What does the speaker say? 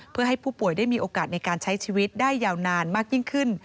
เพื่อให้ผู้ป่วยได้มีโอกาสในการใช้ชีวิตได้ยาวนานมากยิ่งขึ้น